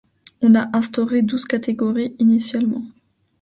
On a instauré douze catégories initialement.